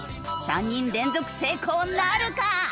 ３人連続成功なるか？